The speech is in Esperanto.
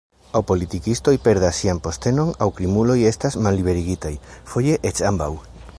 Aŭ politikistoj perdas sian postenon, aŭ krimuloj estas malliberigitaj, foje eĉ ambaŭ.